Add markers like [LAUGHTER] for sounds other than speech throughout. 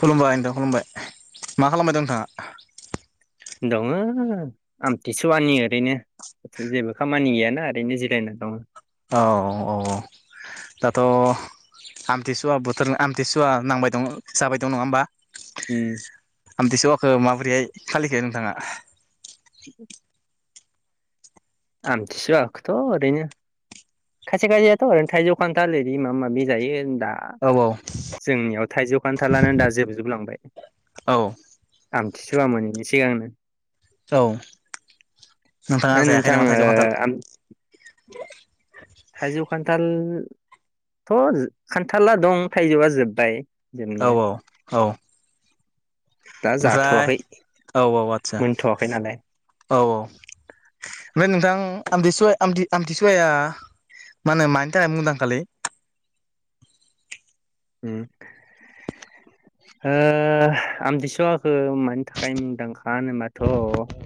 खुलुमबाय नोंथां खुलुमबाय। मा खालामबाय दं नोंथाङा? दङो आमथिसुवानि ओरैनो जेबो खामानि गैयाना ओरैनो जिरायना दङो। औ औ दाथ' आमथिसुवा बोथोर आमथिसुवा नांबाय दं जाबाय दं नङा होमबा? उम। आमथिसवाखो माबोरैहाय फालिखो नोंथाङा? [INAUDIBLE] आमथिसुखोथ' ओरैनो खायसे खायसेयाथ' ओरैनो थाइजौ खान्थाल ओरै माबा माबि जायो। दा औ जोंनियाव थाइजौ खान्थालानो दा जोबजोबलांबाय। औ आ मथिसुवा मोनैनि सिगांनो। औ नोंथाङा ओ जायाखै नोंथां ना मा ओ थाइजौ खान्थाल? आम [INAUDIBLE] थाइजौ खान्थालथ' खान्थाला दं थाइजौआ जोब्बाय। औ जोबनाया औ औ। दा ओमफ्राय जाथ'वाखै औ औ आटचा मोनथ'वाखै नालाय औ औ। ओमफ्राय नोंथां आमथिसुवा आमथि-आमथिसुवाया मा होनो मानि थाखाय मुंदांखालै? आमथिसुवाखौ मानि थाखाय मुंदांखा होनोबाथ'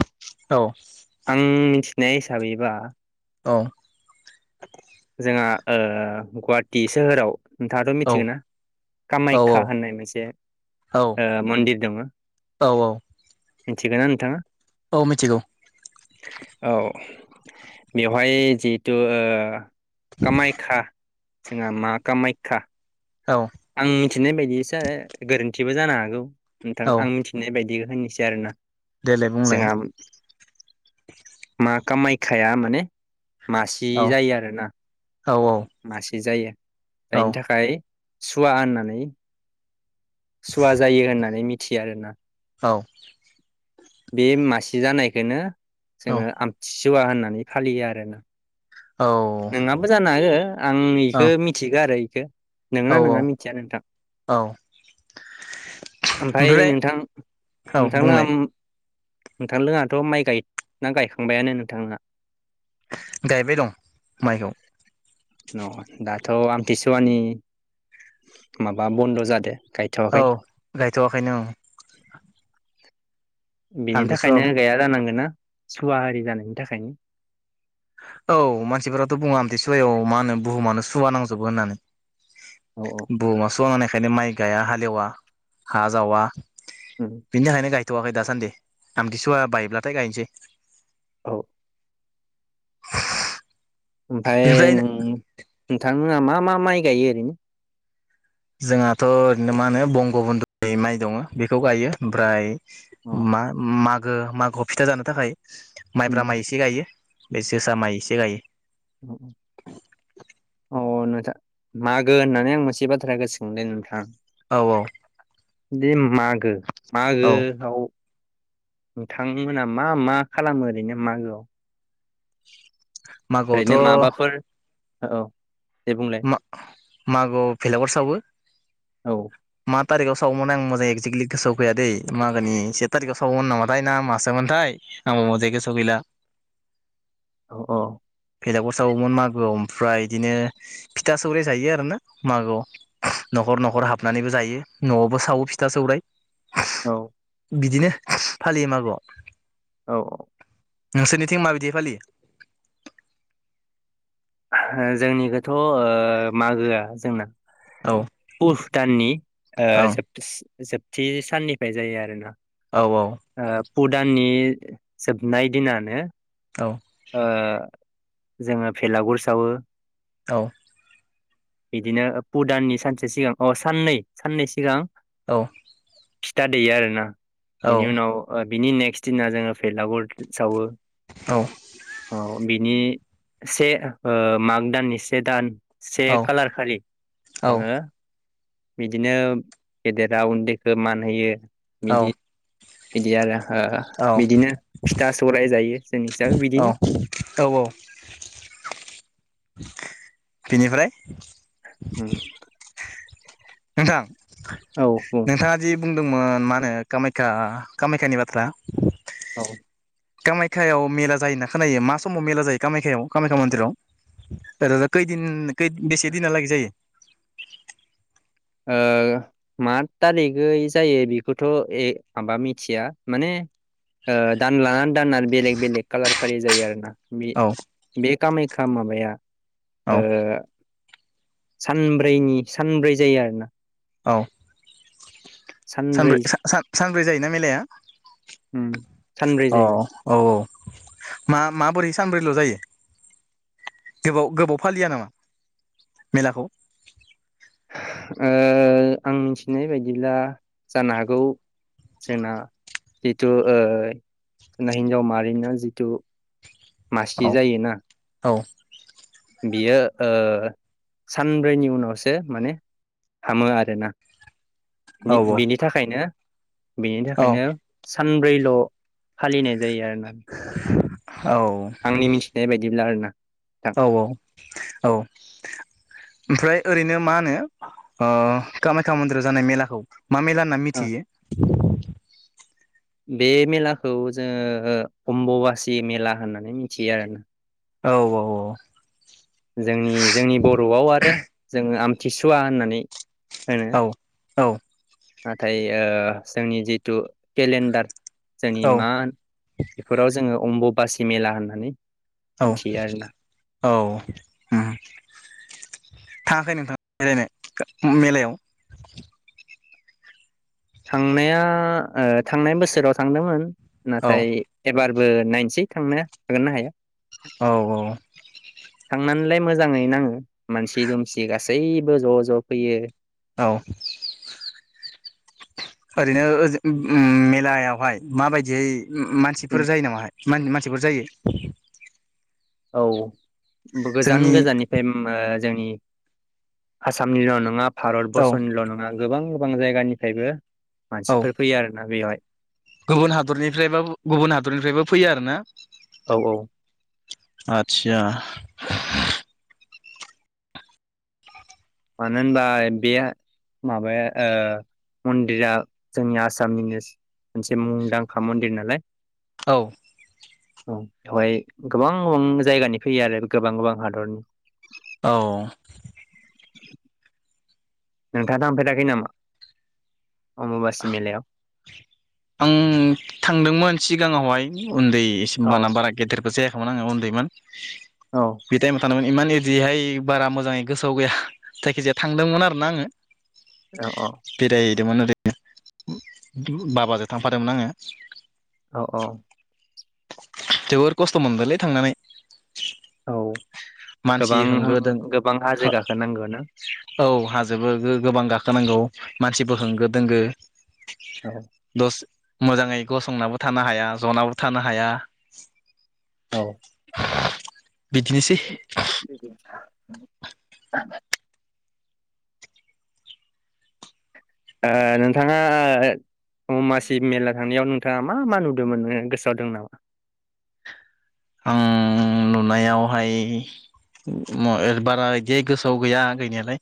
औ। आं मि थिनाय हिसाबैबा औ। जोंहा ओ गुवाहाटि सोहोराव नोंथाङाथ' औ मिथिगौ ना औ कामायख्या होननाय मोनसे औ ओ मन्दिर दोङो। औ औ मिथिगोना नोंथाङा? औ मिथिगौ। औ बेवहाय जिहेथु ओ कामायखा जोंहा मा कामायख्या औ। मिथिनाय बायदिसो आरो गोरोन्थिबो जानो हागौ। नोंथां औ आं मिथिनाय बायदि होननोसै आरोना। देलाय बुंलाय। जोंहा मा कामायखाया माने मासे औ जायो आरोना। औ औ। बि जायो‌। औ जायनि थाखाय सुवा होननानै सुवा जायो होननानै मिथ थि आरो ना। औ बे मासे जानायखोनो औ जोङो आमथि सुवा होननानै फालियो आरो ना। [INAUDIBLE] नोंआबो जानो हागौ आं औ इखो मिथिगो आरो खो नोंगो ना नङा औ मिथिया नोंथां औ ओमफाय ओमफ्राय नोंथां औ नोंथांना बुंलाय आम नोंथां लोङाथ' माइ गाय ना गायखांबायानो नोंथांहा? गायबाय दं माइखौ अ दाथ' आमथिसुवानि माबा बन्द जादो औ गायथ'वाखै गायथ'वाखैनो औ बिनि आमथिसुवा थाखायनो गाया जानांगोना। सुवा आरि जानायनि थाखाय। औ मानसिफोराथ' बुङो आमथि सुवायाव मा होनो बुहुमानो सुवा नांजोबो होननानै। औ औ बुहुमा सुवा माने बेखायनो माइ गाया हालेवा हा जावा उम बिनि थाखायनो गाय गायथ'वाखै दासान्दि आमथिसुवा बायोब्लाथाय गायनोसै औ ओमफाय बेनिफ्राय नों नोंथांमोना मा मा माइ गायो ओरैनो? जोंहाथ' ओरैनो मा होनो बंग बंधु माइ दङ बेखौ गायो ओमफ्राय अ मा माग गो मागोआव फिथा जानो थाखाय उम माइब्रा माइ एसे गायो। बे जोसा माइ एसे गायो। औ नो मागो होननानै आं मोनसे बाथ्राया गोसोखांदों नोंथां। औ औ बेे मागो मागो औ आव नोंथांमोना मा मा खालामो ओरैनो मागोआव ओरैनो मागोआवथ' माबाफोर औ औ। दे बुंलाय मा मागोआव भेलागुर सावो औ मा तारिक आव सावमोन आं मोजां एक्जेकलि गोसोआव फैया दै मागोनि से थारिखआव सावोमोन नामाथाय ना मासोमोनथाय आंबो मोजांयै गोसोआव गैला। अह अ। बेलागुर सावोमोन मागोआव ओमफ्राय इदिनो फिथा सौराइ जायो आरो ना मागोआव न'खर न'खर हाबनानैबो जायो न'आवबो सावो फिथा सौराय। औ बिदिनो फालियो मागोआव औ औ। नोंसोरनिथिं मा बादि फालियो? जोंनिखौथ' ओ मागोआ जोंना औ भुभ दाननि ओं जोबथा जोबथि साननिफ्राय जायो आरो ना औ औ। फु दाननि जोबनाय दिनानो औ ओ जोङो भेलागुर सावो औ बिदिनो फुदाननि सानसे सिगां अ साननै साननै सिगां औ। फिथा दैयो आरोना। औ बिनि उनाव ओ बिनि नेक्स्ट दिना जोङो भेलागुर सावो। औ औ बिनि से ओ माग दाननि से दान औ सेेर कालार खालि जोङो बिदिनो गेदेरा उन्दैखौ मान होयो। बिदि बिदि आरो ओ बिदिनो फिथा सौराइ जायो। जोंनि हिसाबै अ बिदिनो औ औ। बिनिफ्राय [INAUDIBLE] नोंथां औ औ नोंथाङा दि बुंदोंमोन मा होनो कामाख्या कामाख्यानि बाथ्रा औ कामाख्या याव मेला जायो होनना खोनायो मा समाव मेला जायो कामाख्या याव कामाख्या मन्दिराव ओरै खैदिन बेसे दिनाहा लागै जायो मा थारिखै जायो बेखौथ' ए माबा मिथिया माने दानलानानै दाननानै बेलेग बेलेग कालार खालि जायो आरो ना बे औ बे खामायखा माबाया औ ओ सानब्रैनि सानब्रै जायो आरो [UNINTELLIGIBLE] औ सानब्रै [UNINTELLIGIBLE] ब्रै जायोना मेलाया उ सानब्रै औ जायो औ औ मा माबोरै सानब्रैल' जायो गोबाव गोबाव फालिया नामा मेलाखौ आं मिथिनाय बायदिब्ला जानो हागौ जोंना जिथु जोंना हिनजाव माहारिनो जिथु मासलि औ जायोना औ बियो सानब्रैनि उनावसो माने हामो आरोना औ औ बिनि थाखायनो बेनि औ थाखायनो सानब्रैल' फालिनाय जायो आरो ना औ आंनि मिथिनाय बायदिब्ला आरोना नोंथां औ औ औ ओमफ्राय ओरैनो मा होनो कामाख्या मन्दिराव जानाय मेलाखौ मा मेला होनना औ मिथियो बे मेलाखौ जोङो अम्बबासि मेला होननानै मिथियो आरोना औ औ औ जोंनि जोंनि बर'आव आरो जोङो आमथिसुवा होननानै होनो औ नाथाय ओ जोंनि जिथु केलेन्डार जोंनि औ मा होन बेफोराव जोङो अम्बुबासि मेला होननानै औ मिथियो आरोना औ उम थाङाखै नोंथां, बेरायनो मेलायाव? थांनाया ओ थांनाय बोसोराव थांदोंमोन। औ नाथाय एबारबो नायनोसै थांनो हागोन ना हाया। औ औ थांनानैलाय मोजाङै नाङो मानसि दुमसि गासै गासैबो ज' ज' फैयो औ बिदिनो ओजो ओ ओरैनो मेलायाव बेवहाय माबायदि उम मानसिफोर जायो नामाहाय माहोनो मानसिफोर जायो औ गोजान जोंनि गोजान निफ्राय ओ जोंनि आसामनिल' नङा औ भारतबर्सनिल' नङा गोबां गोबां जायगानिफ्रायबो औ मानसिफोर फैयो आरोना बेवहाय गुबुन हादरनिफ्रा बा गुबुन हादरनिफ्रायबो फैयो आरो ना? औ औ आतचा मानो होनबा बे माबाया ओ मन्दिरा जोंनि आसामनिनो मोनसे मुंदांखा मन्दिर नालाय। औ औ बेवहाय गोबां गोबां जायगानि फैयो आरो गोबां गोबां हादरनि औ नोंथांङा थांफेराखै नामा? अम्बुबासि मेलायाव आं थांदोंमोन सिगाङावहाय उन्दै औ होनबाना बाना गेदेरबो जाया होनबा आङो उन्दैमोन औ बि थायम थांनाय माने इमान इदिहाय बारा मोजाङै गोसोआव गैया, जायखिजाया थांदोंमोन आरो ना आङो औ बेराय होयदोंमोन बा बा जों थांफादोंमोन आङो औ औ जोबोर खस्थ' मोनदोंलै थांनानै। औ मानसि गोबां होंगो द गोबां हाजो गाखोनांगौ ना औ हाजोबो गोबां गाखोनांगौ मानसिबो होंगो दोंगो औ दस मोजाङै गसंनाबो थानो हाया जनाबो थानो हाया औ बिदिनोसै आ [INAUDIBLE] नोंथाङा अमासि मेला थांनायाव नोंथाङा मा मा नुदोंमोनो गोसोआव दं नामा आं नुनायावहाय बारा बिदि गोसोआव गैया गैनायालाय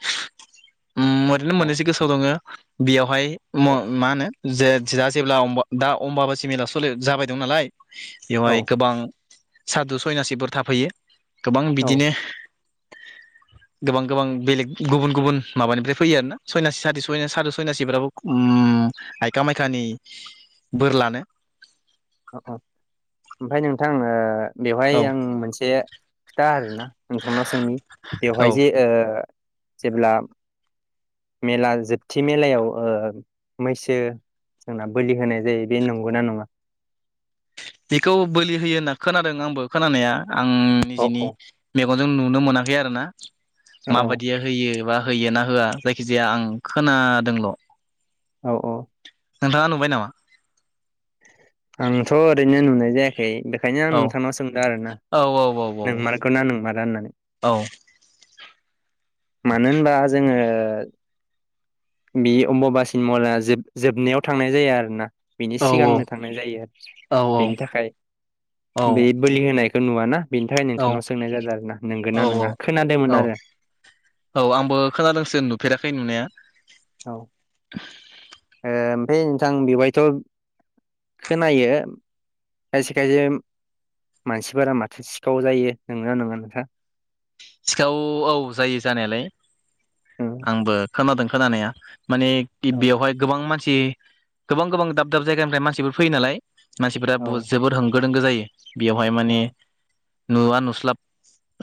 ओरैनो औ मोननैसो गोसोआव दङ बेयावहाय म मा होनो जे जेब्ला दा अम्बाबासि मेलायाव सोलि जाबाय दं नालाय औ बेवहाय गोबां सादु सयनासिफोर थाफैयो गोबां बिदिनो गोबां गोबां बेलेग गुबुन गुबुन माबानिफ्राय फैयो आरोना सयनासि सााथ सय साद' सयनासिफ्राबो आयख मायखानि बोर लानो औ औ ओमफ्राय नोंथां बेवहाय औ आं मोनसे खिथा आरोना नोंथांना सोंनि औ बेवहाय जे जेब्ला मेला जोबथि मेलायाव मैसो जोंना बोलि होनाय जायो बे नंगौना नङा बेखौ बोलि होयो होनना खोनादों आंबो खोनानाया आं औ निजिनि न जों नुनो मोनाखै आरो ना औ माबायदिया होयो बा होयो ना होआ जायखिजाया आं खोनादोंल' औ औ नोंथाङा नुबाय नामा आंथ' ओरैनो नुनाय जायाखै ओंखायनो आं औ नोंथांनाव सोंदों आरो ना औ औ औ औ नोंमारगौ ना नोंमारा होननानै औ मानो होनबा जोङो बे अम्बुबासिन मला जोब जोबनायाव थांनाय जाया आरो ना बेनि सिगांनो थांनाय जायो आरो औ बेनि थाखाय बे बोलि होनाय खौ नुआ ना औ औ नंगोना औ नङा खोनादोंमोन औ आरो औ आंबो खोनादोंसो नुफेराखै नुनाया औ ओ [UNINTELLIGIBLE] ओमफ्राय नोंथां बेवहायथ खोनायो खायसे खायसे मानसिफोरा माथो सिखाव जायो नोंगौना नंङा नोंथा सिखाव औ जायो जानायालाय उम आंबो खोनादों खोनानाया माने औ बेवहाय गोबां मानसि मानसि गोबां गोबां दाब दाब जायगानिफ्राय मानसिफोर फैयो नालाय मानसिफोरा औ जोबोद होंगो दोंगो जायो बेयावहाय औ माने नुवा नुस्लाब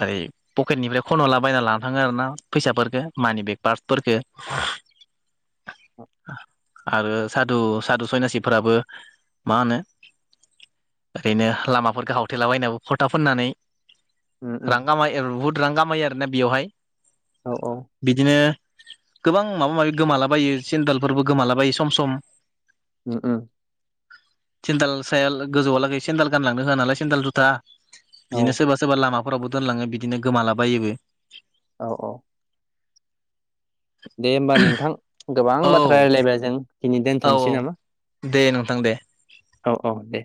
ओरै पकेटनिफ्राय खन हरला बायना लानो थांङो आरोना फैसाफोरखो मानि बेग पार्फोरफोरखौ औ आरो सादु सादु सयनासिफोराबो मा होनो ओरैनो लामाफोरफोरखौ हावटेला बायनो फरथा फोननानै उम उम रां खामाय बुहुद रां गामायो आरोना बेयावहाय औ औ बिदिनो गोबां माबा माबि गोमालाबायो सेन्देलफोरबो गोमालाबायो सम सम उम उम सेन्देल साया गोजौआ लागै सेन्देल गानलांनो होआ नालाय सेन्देल जुथा औ बिदिनो सोरबा सोरबा लामा फोसावनो दोनलाङो बि बिदिनो गोमालाबायोबो औ औ दे होमबा नोंथां गोबां औ बाथ्रा राय्लायबाय जों दिनै औ औ दोनथ'नोसै नामा दे नोंथां दे औ औ दे